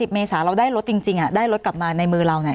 ๓๐เมษาเราได้รถจริงอ่ะได้รถกลับมาในมือเราไหน